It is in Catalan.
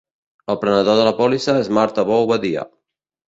El prenedor de la pòlissa és Marta Bou Badia.